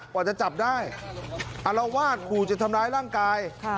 กว่าจะจับได้อารวาสขู่จะทำร้ายร่างกาย